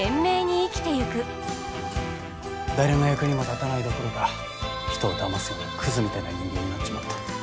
誰の役にも立たないどころか人をだますようなクズみたいな人間になっちまった。